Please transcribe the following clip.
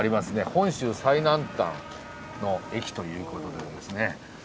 本州最南端の駅ということでですね